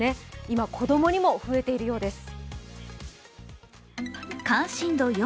今子供にも増えているようです。